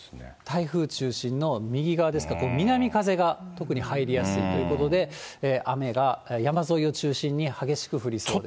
台風中心の右側ですから、南風が特に入りやすいということで、雨が山沿いを中心に激しく降りそうです。